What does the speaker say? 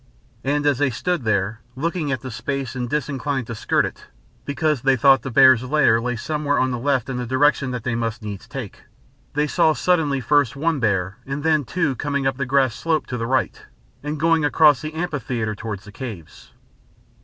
And as they stood there, looking at the space, and disinclined to skirt it, because they thought the bears' lair lay somewhere on the left in the direction they must needs take, they saw suddenly first one bear and then two coming up the grass slope to the right and going across the amphitheatre towards the caves.